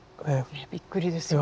びっくりですよね。